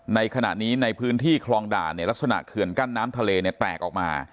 ในขณะนี้ในพื้นที่คลองด่านเนี่ยลักษณะเขื่อนกั้นน้ำทะเลเนี่ยแตกออกมา